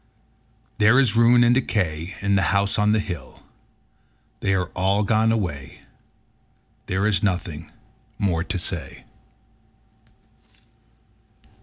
There is ruin and decay In the House on the Hill They are all gone away, There is nothing more to say.